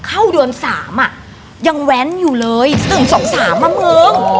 เข้าเดือนสามยังแว้นอยู่เลยหนึ่งสองสามเหอะเมิง